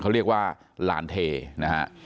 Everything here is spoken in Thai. เขาเรียกว่าหลานเทนะฮะ